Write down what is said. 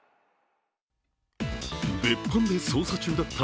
別班で捜査中だった